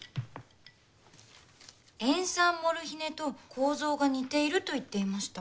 塩酸モルヒネと構造が似ていると言っていました。